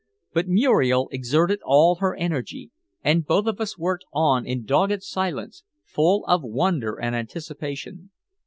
But Muriel exerted all her energy, and both of us worked on in dogged silence full of wonder and anticipation.